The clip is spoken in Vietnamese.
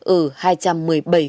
ở hai năm